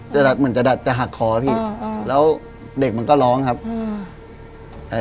จะดัดเหมือนจะดัดจะหักคอพี่อ่าอ่าแล้วเด็กมันก็ร้องครับอืม